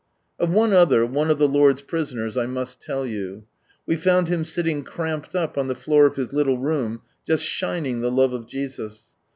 Of one Other, one of the Lord's prisoners, I must tell you. We found him sitting cramped up on the Hoor of his little room, just shining the love of Jesus.